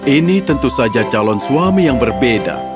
ini tentu saja calon suami yang berbeda